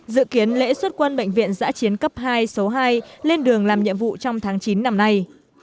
dự kiến lễ xuất quân bệnh viện giã chiến cấp hai số hai lên đường làm nhiệm vụ trong tháng chín năm nay